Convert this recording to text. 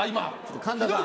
神田さん